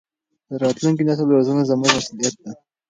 د راتلونکي نسل روزنه زموږ مسؤلیت دی.